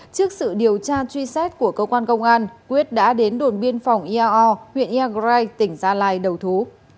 trước sự điều tra truy xét của cơ quan công an quyết đã đến đồn biên phòng iao huyện iagrai tỉnh gia lai đầu thú